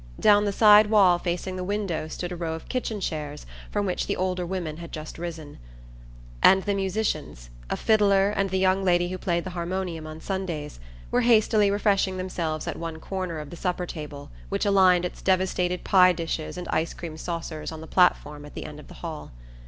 Down the side wall facing the window stood a row of kitchen chairs from which the older women had just risen. By this time the music had stopped, and the musicians a fiddler, and the young lady who played the harmonium on Sundays were hastily refreshing themselves at one corner of the supper table which aligned its devastated pie dishes and ice cream saucers on the platform at the end of the hall.